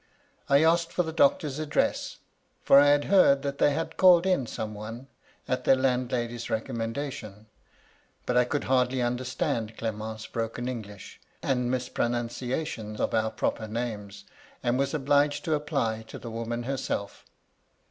I asked for the doctor's address ; for I had heard that they had called in some one, at their landlady's recommendation : but I could hardly understand Clement's broken English, and mis pronunciation of our proper names, and was obliged to apply to the woman herself.